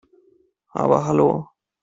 Aber hallo!